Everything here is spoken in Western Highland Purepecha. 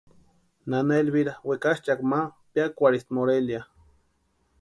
Nana Elvira wekachʼakwa ma piakwarhisti Morelia.